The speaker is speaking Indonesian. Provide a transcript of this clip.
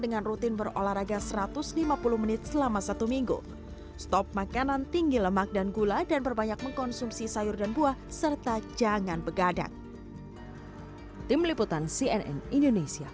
dengan rutin berolahraga satu ratus lima puluh menit selama satu minggu stop makanan tinggi lemak dan gula dan berbanyak mengkonsumsi sayur dan buah serta jangan begadang